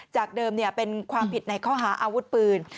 จากเดิมเป็นความผิดในข้อหาอาวุธปืน